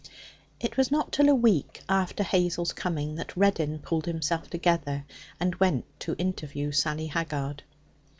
It was not till a week after Hazel's coming that Reddin pulled himself together, and went to interview Sally Haggard.